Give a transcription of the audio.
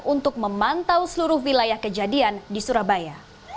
untuk memantau seluruh wilayah kejadian di surabaya